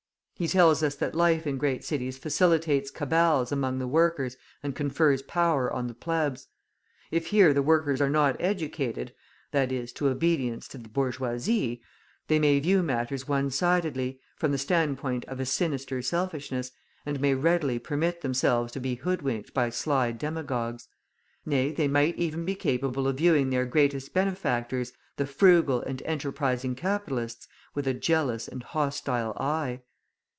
He tells us that life in great cities facilitates cabals among the workers and confers power on the Plebs. If here the workers are not educated (i.e., to obedience to the bourgeoisie), they may view matters one sidedly, from the standpoint of a sinister selfishness, and may readily permit themselves to be hoodwinked by sly demagogues; nay, they might even be capable of viewing their greatest benefactors, the frugal and enterprising capitalists, with a jealous and hostile eye.